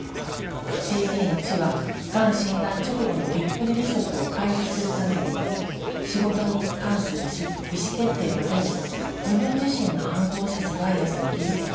提言１はがん診断直後のびっくり離職を回避するために仕事に関する意思決定までに自分自身のアンコンシャスバイアスに気付き